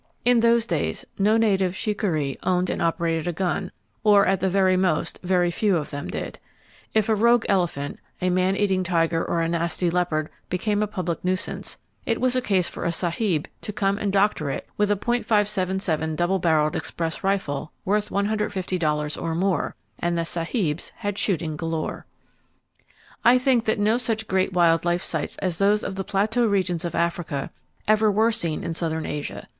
In those days no native shikaree owned and operated a gun,—or at the most very, very few of them did. If a rogue elephant, a man eating tiger or a nasty leopard became a public nuisance, it was a case for a sahib to come and doctor it with a .577 double barreled express rifle, worth $150 or more; and the sahibs had shooting galore. I think that no such great wild life sights as those of the plateau regions of Africa ever were seen in southern Asia.